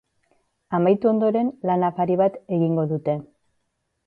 Amaitu ondoren, lan-afari bat egingo dute.